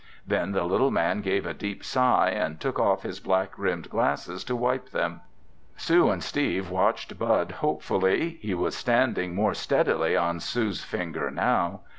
Then the little man gave a deep sigh and took off his black rimmed glasses to wipe them. Sue and Steve watched Bud hopefully. He was standing more steadily on Sue's finger now.